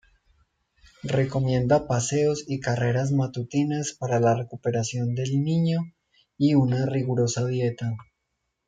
Recomienda paseos y carreras matutinas para la recuperación del niño y una rigurosa dieta.